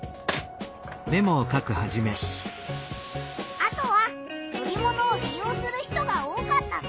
あとは乗り物をり用する人が多かったぞ！